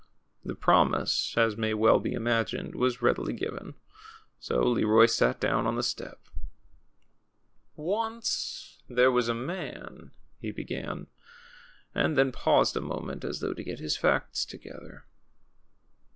The promise, as may well be imagined, was readily given. So Leroy sat down on the step. Once there was a man," he began ; and then paused a moment as though to get his facts together.